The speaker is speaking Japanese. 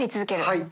はい。